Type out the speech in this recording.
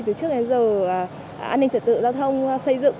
từ trước đến giờ an ninh trật tự giao thông xây dựng